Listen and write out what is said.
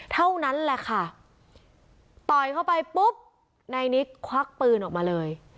เท่านั้นแหละค่ะต่อยเข้าไปปุ๊บนายนิกควักปืนออกมาเลย